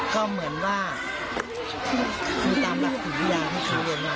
ก็เหมือนว่ามีตามรักษีวิทยาที่เขาเรียนมา